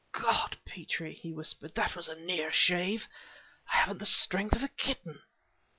"God, Petrie!" he whispered, "that was a near shave! I haven't the strength of a kitten!"